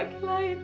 maka sejak itupun